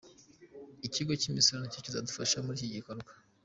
Ikigo cy’imisoro nacyo kizadufasha muri iki gikorwa.